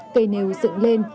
cây nêu dựng lên